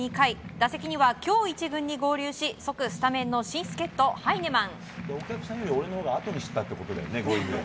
打席には今日１軍に合流し即スタメンの新助っ人ハイネマン。